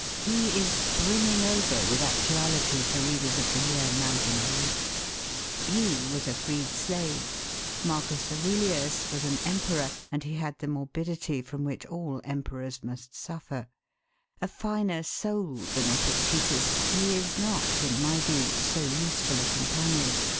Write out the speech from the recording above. He is brimming over with actuality for readers of the year 1908. He was a freed slave. M. Aurelius was an emperor, and he had the morbidity from which all emperors must suffer. A finer soul than Epictetus, he is not, in my view, so useful a companion.